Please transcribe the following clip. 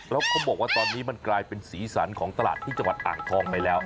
แล้วเขาบอกว่าตอนนี้มันกลายเป็นสีสันของตลาดที่จังหวัดอ่างทองไปแล้ว